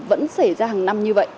vẫn xảy ra hàng năm như vậy